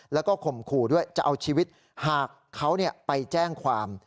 แล้วก็ข่มขู่ด้วยจะเอาชีวิตหากเขาไปแจ้งความ